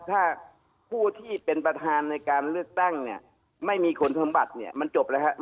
ถ้าผู้ที่เป็นประธานในการเลือกตั้งเนี่ยไม่มีคนทำบัตรเนี่ยมันจบแล้วครับ